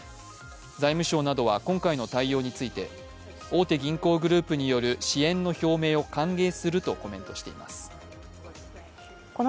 財務省などは今回の対応について、大手銀行グループによる支援の表明を歓迎するとコメントしています。